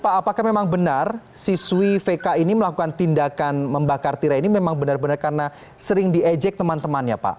pak apakah memang benar siswi vk ini melakukan tindakan membakar tirai ini memang benar benar karena sering diejek teman temannya pak